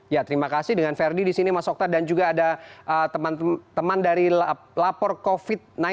ya terima kasih dengan verdi di sini mas okta dan juga ada teman teman dari lapor covid sembilan belas